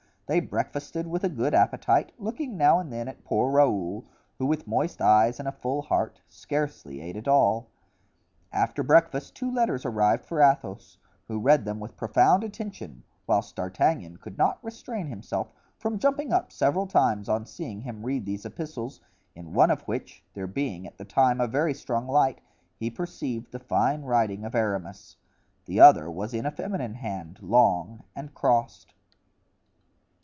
They breakfasted with a good appetite, looking now and then at poor Raoul, who with moist eyes and a full heart, scarcely ate at all. After breakfast two letters arrived for Athos, who read them with profound attention, whilst D'Artagnan could not restrain himself from jumping up several times on seeing him read these epistles, in one of which, there being at the time a very strong light, he perceived the fine writing of Aramis. The other was in a feminine hand, long, and crossed.